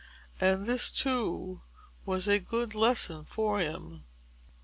And this, too, was a good lesson for him.